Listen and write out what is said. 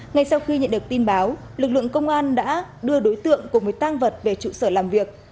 ngay sau khi nhận được tin báo lực lượng công an đã đưa đối tượng cùng với tang vật về trụ sở làm việc